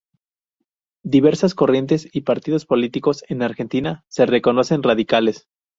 Diversas corrientes y partidos políticos en Argentina se reconocen radicales.